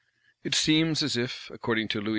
It seems as if, according to Louis XV.